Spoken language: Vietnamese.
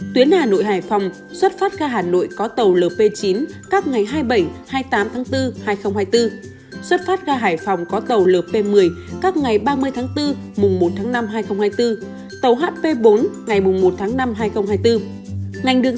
tàu se ba mươi năm đến hết ngày một tháng năm hai nghìn hai mươi bốn